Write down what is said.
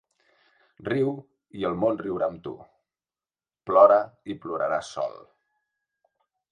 Riu i el món riurà amb tu. Plora i ploraràs sol.